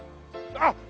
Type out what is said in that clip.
あっ！